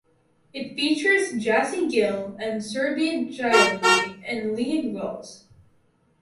It features Jassie Gill and Surbhi Jyoti in lead roles.